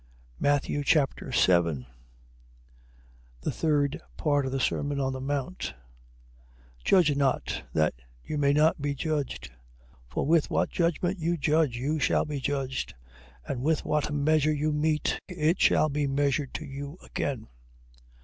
Matthew Chapter 7 The third part of the sermon on the mount. 7:1. Judge not, that you may not be judged. 7:2. For with what judgment you judge, you shall be judged: and with what measure you mete, it shall be measured to you again.